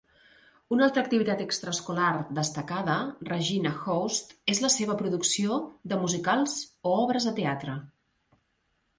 Una altra activitat extraescolars destacada Regina hosts és la seva producció de musicals o obres de teatre.